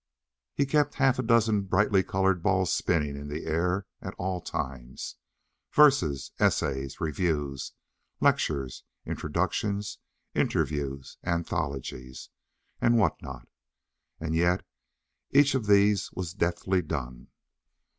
He kept half a dozen brightly coloured balls spinning in air at all times verses, essays, reviews, lectures, introductions, interviews, anthologies, and what not; yet each of these was deftly done.